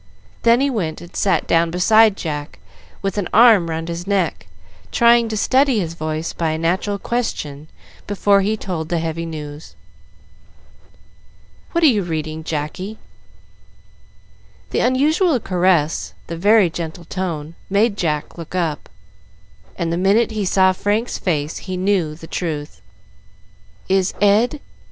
Then he went and sat down beside Jack with an arm round his neck, trying to steady his voice by a natural question before he told the heavy news. "What are you reading, Jacky?" The unusual caress, the very gentle tone, made Jack look up, and the minute he saw Frank's face he knew the truth. "Is Ed